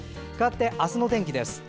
かわって明日の天気です。